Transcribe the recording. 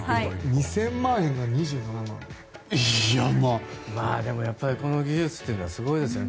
２０００万円が２７万円？でもこの技術っていうのはすごいですよね。